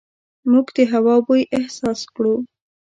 موږ د هوا بوی احساس کړو.